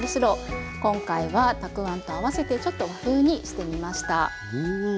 今回はたくあんと合わせてちょっと和風にしてみました。